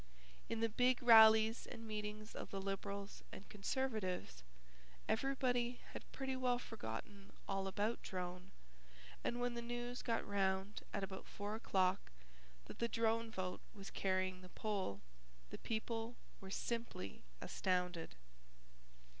In the big rallies and meetings of the Liberals and Conservatives, everybody had pretty well forgotten all about Drone, and when the news got round at about four o'clock that the Drone vote was carrying the poll, the people were simply astounded.